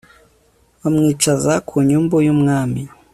bamwicaza ku nyumbu y umwami